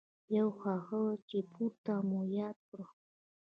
یو هغه چې پورته مو یاد کړ.